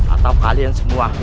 atau kalian semua